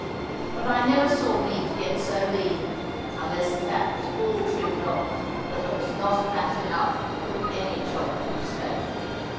But I never saw meat yet so lean, unless the fat was all trimmed off, that there was not fat enough to cook any chop or steak.